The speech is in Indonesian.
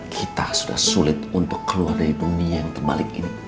kita sudah sulit untuk keluar dari bumi yang terbalik ini